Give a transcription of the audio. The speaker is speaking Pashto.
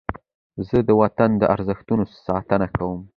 زه د وطن د ارزښتونو ساتنه کوم.